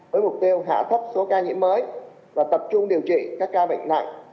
với mục tiêu hạ thấp số ca nhiễm mới và tập trung điều trị các ca bệnh nặng